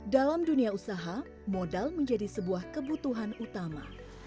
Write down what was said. dalam dunia usaha modal menjadi sebuah kebutuhan utama